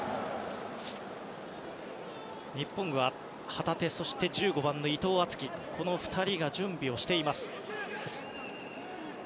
日本は旗手、そして１５番の伊藤敦樹この２人が準備をしています。